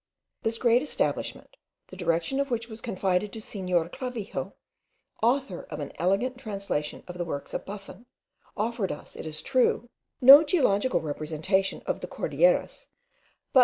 This great establishment, the direction of which was confided to Senor Clavijo, author of an elegant translation of the works of Buffon, offered us, it is true, no geological representation of the Cordilleras, but M.